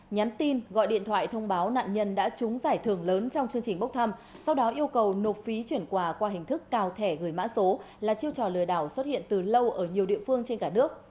nhắn tin gọi điện thoại thông báo nạn nhân đã trúng giải thưởng lớn trong chương trình bốc thăm sau đó yêu cầu nộp phí chuyển quà qua hình thức cào thẻ gửi mã số là chiêu trò lừa đảo xuất hiện từ lâu ở nhiều địa phương trên cả nước